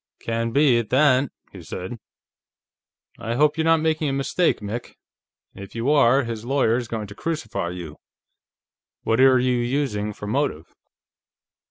"Can be, at that," he said. "I hope you're not making a mistake, Mick; if you are, his lawyer's going to crucify you. What are you using for a motive?"